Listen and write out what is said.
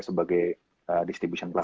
sebagai distribution platform